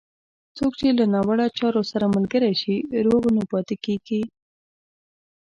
څوک چې له ناوړه چارو سره ملګری شي، روغ نه پاتېږي.